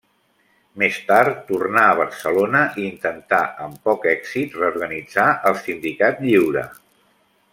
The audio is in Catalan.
Més tard tornà a Barcelona i intentà, amb poc èxit, reorganitzar el Sindicat Lliure.